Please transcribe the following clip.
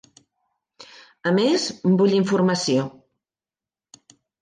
A més, vull informació.